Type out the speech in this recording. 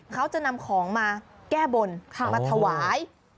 เขาจะนำของมาแก้บนมาถวาย